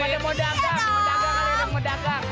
yang udah mau dagang